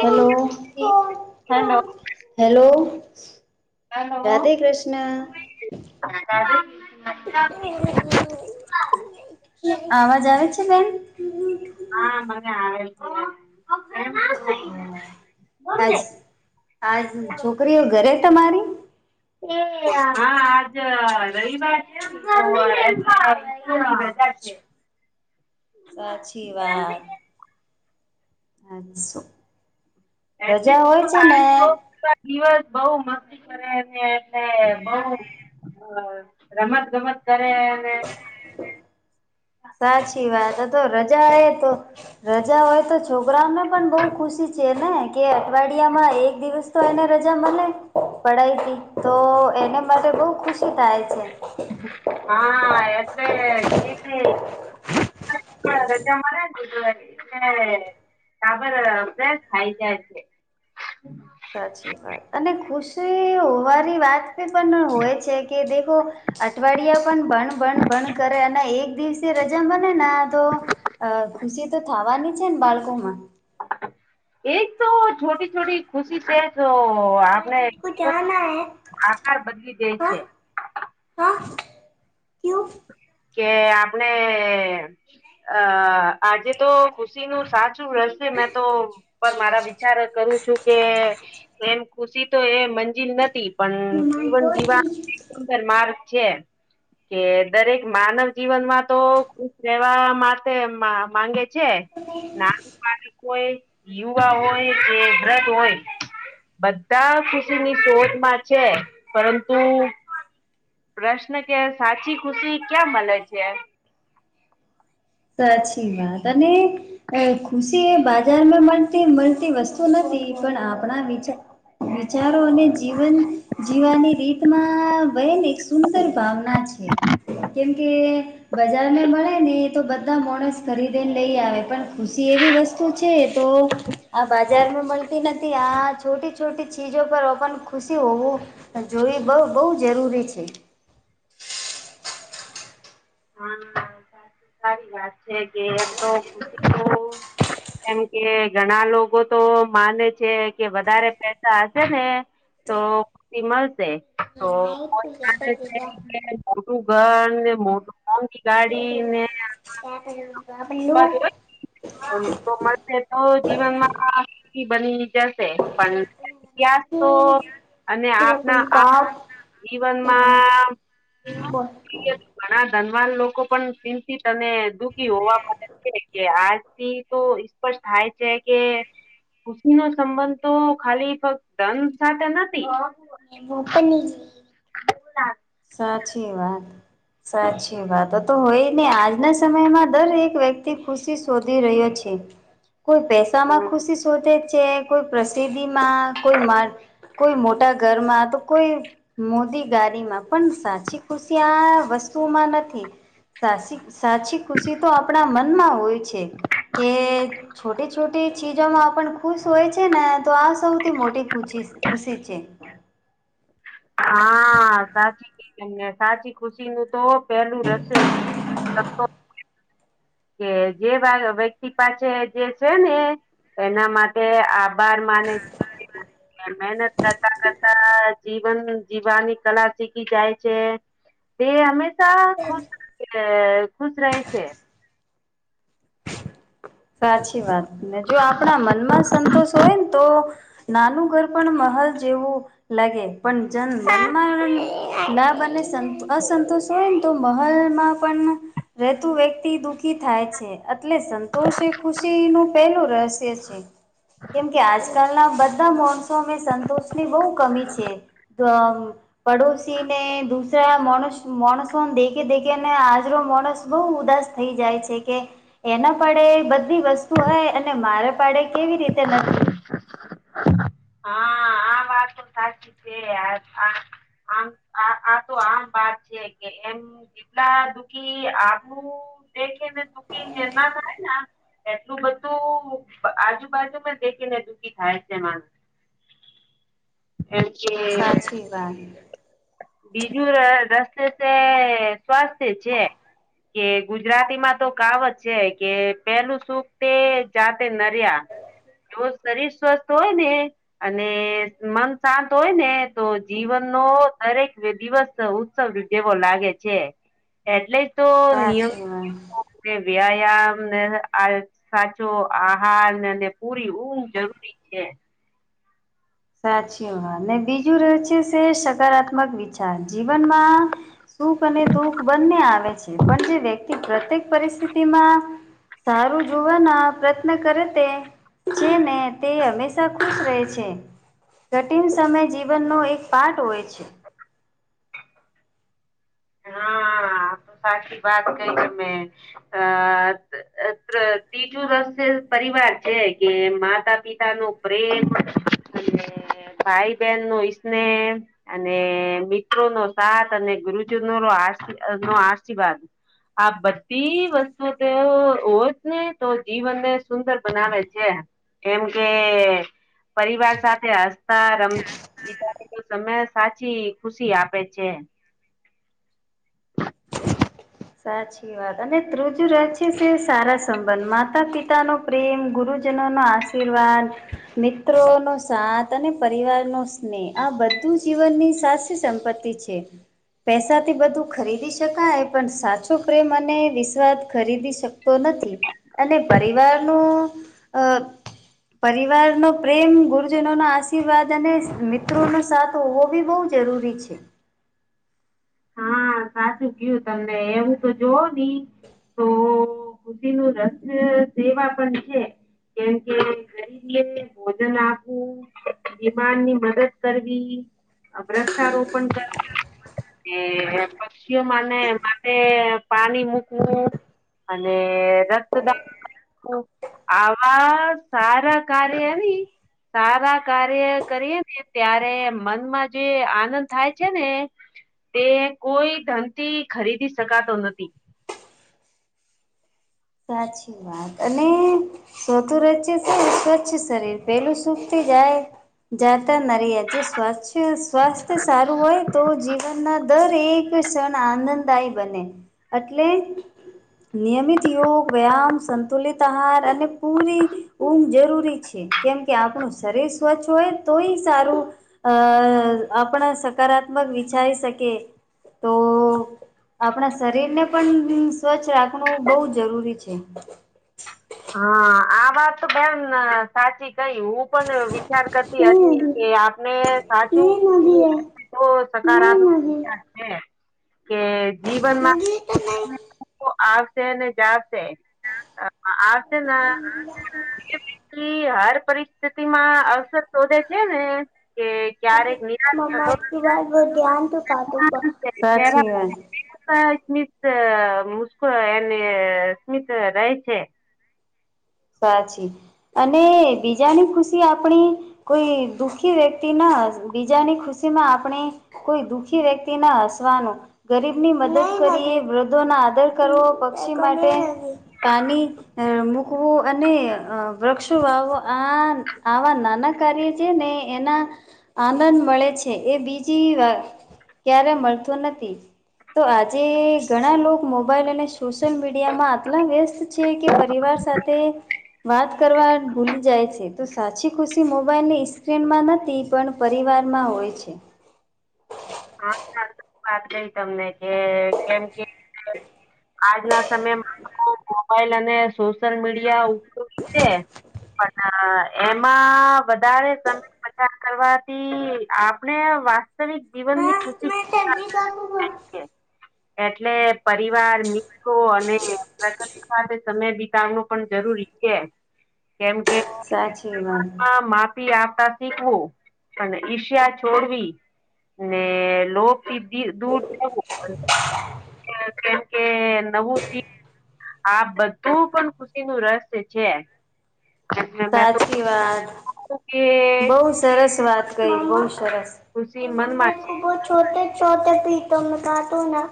Hello hello. Hello. Hello Krishna [unintelligible] આવાજ આવે છે બેન? હા, મને આવે છે હ. હ. આજ આજ છોકરીઓ ઘરે તમારી? એ હા. [unintelligible] સાચી વાત. [unintelligible] એટલે રજા જ તો હોય આ છેને. તો દિવસ બઉ મસ્તી કરે એને એટલે બઉ. હ, રમત ગમત કરે અને. સાચી વાત, તો તો રજા એ તો રજા હોય તો છોકરાઓને પણ બઉુ ખુશી છે ને. કે અઠવાડિયામાં એક દિવસ તો એને રજા મને પડાય હતી તો એને માટે બહુ ખુશ શું થાય છે. હા, એટલે [unintelligible] રજા મારા હ તપર પરા ખાયતા છે સાચી વાત અને ખુશી હોવાની વાત પણ હોય છે કે દેખો અઠવાડિયા પણ [inaudible] એક તો છોટી છોટી ખુશી છે તો મમ્મા આપણે જીટકો જીવન જાના હૈ આકાર બદલી દે હા છે હા ક્યું કે આપણે અ આજે તો ખુશી નું સાચું તુ હશે મેં તો પર મારા વિચાર કરું છું કે કેમ ખુશી તો એ મંજિન નથી પણ મમ્મા કુવન બોલ જીવા એ શુંદર માર્ગ છે કે દરેક માનવ જીવનમાં તો ખુશ રહેવા માટે મા માંગે છે નાનું બાળક હોય, યુવા હોય, કે વ્રધ હોય. બધા ખુશીની શોધ માં છે પરંતુ પ્રશ્ન કે સાચી ખુશી ક્યાં મળે છે. સાચી વાત અને એ ખુશી એ બાજારમાં મળતી મળતી વસ્તુ નથી પણ આપણા વિચા વિચારો અને જીવન જીવાની રીતમાં બેહન એક સુંદર ભાવના છે, કેમ કે બજાર માં મળે ને તો બધા મોણસ ખરીદેને લઈ આવે, પણ ખુશી એવી વસ્તુ છે તો આ બજારમાં મળતી નથી આ છોટી છોટી ચીજો પર ઓપન ખુશી હોવું જોઈ બહુ બહુ જરૂરી છે. [inaudible] હા સાચી તારી વાત છે કે એમ તો ખુશીતો કેમ કે ઘણા લોકો તો માને છે કે વધારે પૈસા હશે ને તો ખુશી મળશે. હ [unintelligible] એ મોટું ઘર, ને મોટું મોંઘી ગાડી ને આ હાબલું તો મળશે તો જીવનમાં આ ખુશી બની જશે પણ ઇતિહાસ તો અને આપના આ કપ એ બોલ જીવનમાં ઘણા ધનવાન લોકો પણ ચિંતિત અને દુઃખી હોવા મળે છે કે આજ થી તો સ્પષ્ટ થાય છે કે, ખુશી નો સંબંધ તો ખાલી ફક્ત ધન સાથે નથી. ઓપન જી [unintelligible] સાચી વાત સાચી વાત ત તો હોય ને આજના સમયમાં દર એક વ્યક તી ખુશી શોધી રહ્યો છે, કોઈ પૈસા માં હમ ખુશી શોધે, છે કોઈ પ્રસિદ્ધિ માં કોઈ માર કોઈ મોટા ઘરમાં, તો કોઈ મોદી ગાડીમાં. પણ સાચી ખુશી આ વસ્તુમાં નથી. સાસી સાચી ખુશી તો આપણા મનમાં હોય છે. કે છોટે છોટે ચીજોમાં પણ ખુશ હોય છે ને, તો આ સૌથી મોટી ખુચી ખુશી છે. હા સાચી. અને સાચી ખુશી નું તો પેલું રહેશે [unintelligible] કે જે વ્યા વ્યક્તિ પાસે જે છેને એના માટે આ બાર માને છે, મહેનત કરતા કરતા જીવન જીવવાની કલા શીખી જાય છે, તે હમે શા ખુશ અ ખુશ રહે છે. સાચી વાત ને જો આપણા મનમાં સંતોષ હોયન તો નાનું ઘર પણ મહલ જેવું લાગે પણ જન મન મા ના બને સંત અસંતોષ હોઈને તો મહલમાં પણ રહેતું વ્યક્તિ દુઃખી થાય છે અટલે તો છે ખુશી નુ પહેલું રહસ્ય છે, કેમ કે આજકાલના બધ ધા મોનસો સંતોષ ની બહુ કમી છે. તોઅ પડોશીને દુસરા મોનશ મોનસોન દેખે દેખે ને આજરો માણસ બહુ ઉદાસ થઈ જાય છે કે એનો આપળે બધી વસ્તુ હોય અને મારે પાડે કેવી રીતે નથી [inaudible] હા આ વાત તો સાચી છે. આમ આ તો આમ વાત છે કે એમ જેટલા દુઃખી આપણું દેખી ને દુઃખી નિના થાય ના એટલું બધું આજુબાજુમાં દેખી ને દુઃખી થાય છે, માણસ જેમકે સાચી વાત બીજું રસ્તે છે, સ્વાસ્થ્ય છે. કે ગુજરાતીમાં તો કાહવત છે, કે પેહલું સુખ તે જાતે નરિયા જો શરીર સ્વસ્થ હોય ને અને મન શાંત હોય ને તો જીવનનો દરેક દિવસ ઉત્સવ જેવો લાગે છે. એટલે તો નિયમ સાચી વાત કે વ્યાયામને સાચો આહારને અને પૂરી ઊંઘ જરૂરી છે. સાચીઓ અને બીજું રહે છે, સકારાત્મક વિચાર જીવનમાં સુખ અને દુઃખ બંને આવે છે, પણ જે વ્યક્તિ પ્રત્યેક પરિસ્થિતિમાં સારું જોવાના પ્રયત્ન કરે તે જેને તે હંમેશા ખુશ રહે છે. કઠિન સમયે જીવનનો એક પાર્ટ હોય છે. હમ આમ સાચી વાત કહી તમે અ ત્ર ત્રીજું રસ પરિવાર છે કે માતા પિતાનું પ્રેમ. અને [inaudible] ભાઈ બહેનનો સ્નેહ અને મિત્રોનો સાથ અને ગુરુ જીનો આશ નો આશીર્વાદ આ બધી વસ્તુ તે હોત ને તો જીવનને સુંદર બનાવે છે. કેમકે પરિવાર સાથે [unintelligible] તમે સાચી ખુશી આપે છે. સાચી. અને ત્રીજું રહસ્ય છે તે સારા સંબંધ માતા પિતાનો પ્રેમ ગુરુજનો નો આસ શીર્વાદ મિત્રોનો સાથ અને પરિવારનો સ્નેહ આ બ ધુ જીવનની સાસ સંપતિ છે, પૈસાથી બધું ખરીદી શકાય પણ સાચો પ્રેમ અને વિશ્વાદ ખરીદી શકતો નથી અને પરિવારનું અ પરિવારનો પ્રેમ ગુરુજનો નો આશીર્વાદ અને મિત્રોનો સાથ તો હોવો બી બોવ જરૂરી છે. હા સાચું કીયું તમને એવું તો જોવ ને તો ખુદીનું રસ સેવા પણ છે. કેમ કે ગરીબ એ ભોજન આપવું બીમારની મદદ કરવી વૃક્ષારોપણ કરવુ એ પક્ષીઓ માને માટે પાણી મૂકવું અને રક્તદાન આવા સારા કાર્ય આવી સારા કાર્ય કરીએ ને ત્યારે મનમાં જે આનંદ થાય છે ને તે કોઈ ધનથી ખરીદી શકાતો નથી સાચી વાત અને સોતું રહસ્ય શું સ્વચ્છ શરીર પેલું સુખથી જાય જાતા ન રહ્યાજે સ્વા સ્વાસ્થ્ય સારું હોય તો જીવનના દર એક ક્ષણ આનંદદાયી બને એટલે નિયમિત યોગ વ્યાયામ સંતુલિત આહાર અને પૂરી ઊંઘ જરૂરી છે. કેમ કે આપણું શરીર સ્વચ્છ હોય તોય સારું અ આપણા સકારાત્મક વિચારી શકીએ. તો આપણા શરીર ને પણ સ્વચ્છ રાખ વું બહુ જરૂરી છે. હા આ વાત તો બેન સાચી કઈ હું પણ વિચાર કરતી નહી હતી કે નદી આપને સાચું નહી નદી હે તો નહી સકારાત્મક નદી વિચાર છે. કે જીવનમાં નદી તો નહી આવશે ને જશે આવશે ના થી હાર પરિસ્થિતિ માં અવસર શોધે છે ને કે ક્યારેક નિરાશ મમ્મા થતો આપકી સાચી વાત [unintelligible] સ્મિત મુસ્કો એને સ્મિત રહે છે. અને બીજાની ખુશી આપણી કોઈ દુઃખી વ્યક્તિ ના બીજાની ખુશી માં આપણે કોઈ દુઃખી વ્યક્તિ ના હસવાનું ગરીબ ની મદદ કરીએ વૃદ્ધો ના આદર કરવો પક્ષી માટે પાણી મુ શખવો અને વૃક્ષો વાવો આ આવા નાના કાર્ય છે ને એના આનંદ મળે છે એ બીજી વા ક્યારે મળતો નથી તો આજે ઘણા લોકો મોબાઈલ અને સોશિયલ મીડિયામાં આટલા વ્યસ્ત છે કે પરિવાર સાથે વાત કરવા ભૂલી જાય છે તો સાચી ખુશી મોબાઈલ ની સ્ક્રીનમાં નથી. પણ પરિવારમાં હોય છે. હા સાચી વાત નઈ તમને કે કેમ કે આજના સમયમાં મોબાઈલ અને સોશિયલ મીડિયા પણ એમાં વધારે સમય પસાર કરવાથી આપણે વાસ્તવિક જીવનની ખુશી ભૂલાય [unintelligible] છે એટલે પરિવાર મિત્રો અને સમય બિતાવનો પણ જરૂરી છે. કેમ કે સાચી વાત આ આપતા શીખવું અને ઈશ્યા છોડવી ને લોક દૂર કેમકે નવું સિંહ આ બધું પણ ખુશી નું રસ છે. એટલે મેં સાચ તો કી વાત કઉ કે બહ સરસ વાત ક બહુ સરસ. ખુશી મનમાં છોટે છોટે પીટોમાં કાતો ના.